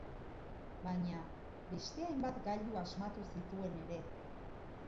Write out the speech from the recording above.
Baina, beste hainbat gailu asmatu zituen ere.